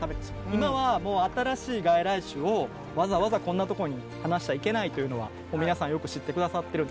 今はもう新しい外来種をわざわざこんな所に放しちゃいけないというのは皆さんよく知ってくださってる。